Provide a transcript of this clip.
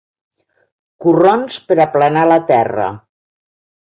Corrons per aplanar la terra.